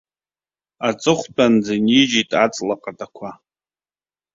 Аҵыхәтәанӡа инижьит аҵла ҟатақәа.